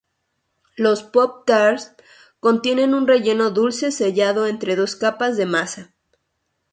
Los Pop-Tarts contienen un relleno dulce sellado entre dos capas de masa.